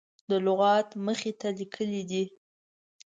د لغت مخې ته لیکلي دي.